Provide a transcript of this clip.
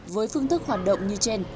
với phương thức hoạt động như trên